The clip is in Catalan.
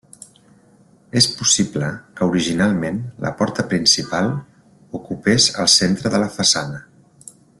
És possible que originalment la porta principal ocupés el centre de la façana.